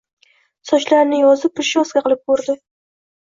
Sochlarini yozib «prichyoska» qilib koʼrdi.